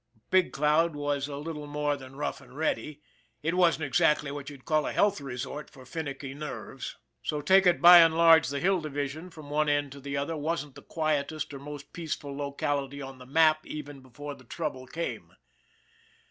Big Cloud was a little more than rough and ready it wasn't exactly what you'd call a health resort for finnicky nerves. So, take it by and large, the Hill Division, from one end to the other, wasn't the quietest or most peaceful locality on the map even before the trouble came.